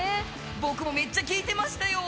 僕もめっちゃ聴いてましたよ。